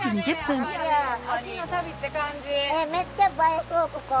めっちゃ映えそうここ。